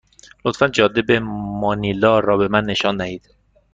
لطفا جاده به مانیلا را به من نشان دهید.